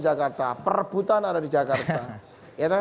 jakarta perebutan ada di jakarta